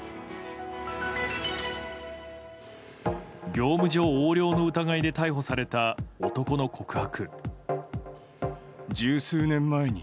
業務上横領の疑いで逮捕された男の告白。